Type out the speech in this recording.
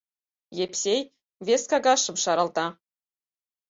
Епсей вес кагазшым шаралта.